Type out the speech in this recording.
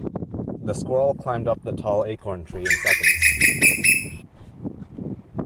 The squirrel climbed up the tall acorn tree in seconds.